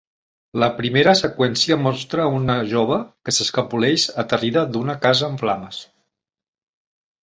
La primera seqüència mostra una jove que s'escapoleix aterrida d'una casa en flames.